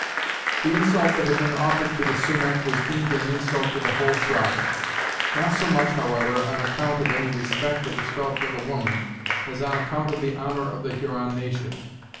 The insult that had been offered to the Sumach was deemed an insult to the whole tribe; not so much, however, on account of any respect that was felt for the woman, as on account of the honor of the Huron nation.